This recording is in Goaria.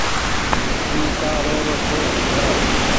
اي ڪآ رو رو ڇي سوڻآ